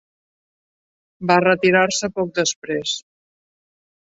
Va retirar-se poc després.